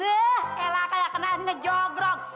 nyeh elah kayak kena ngejogrok